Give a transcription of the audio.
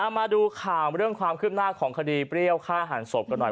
มาดูข่าวเรื่องความคืบหน้าของคดีเปรี้ยวฆ่าหันศพกันหน่อย